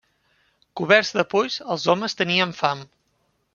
Coberts de polls, els homes tenien fam.